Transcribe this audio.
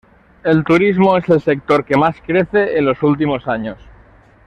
El turismo es el sector que más crece en los últimos años.